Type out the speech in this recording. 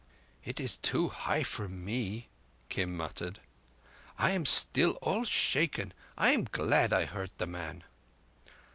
"It is too high for me," Kim muttered. "I am still all shaken. I am glad I hurt the man."